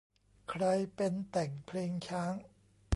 ใครเป็นแต่งเพลงช้าง